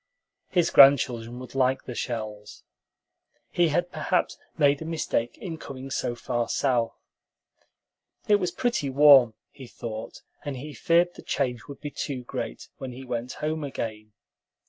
His grandchildren would like the shells. He had perhaps made a mistake in coming so far south. It was pretty warm, he thought, and he feared the change would be too great when he went home again.